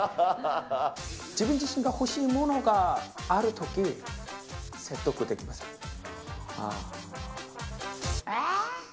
自分自身が欲しいものがあるとき、説得できません。